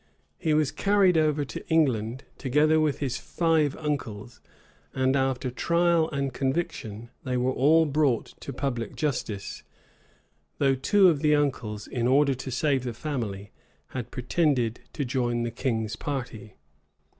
He was carried over to England, together with his five uncles; and after trial and conviction, they were all brought to public justice; though two of the uncles, in order to save the family, had pretended to join the king's party.